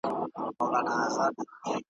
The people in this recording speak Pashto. یو ځلی بیا کړي مځکه مسته د زلمیو پایکوب ,